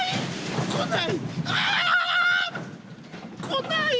こない。